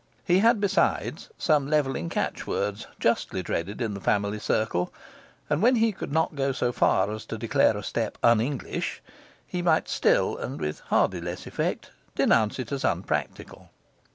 He had besides some levelling catchwords, justly dreaded in the family circle; and when he could not go so far as to declare a step un English, he might still (and with hardly less effect) denounce it as unpractical.